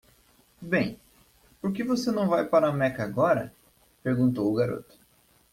"Bem? por que você não vai para Meca agora??" Perguntou o garoto.